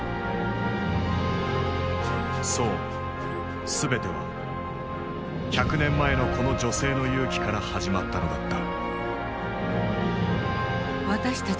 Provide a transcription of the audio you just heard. そう全ては百年前のこの女性の勇気から始まったのだった。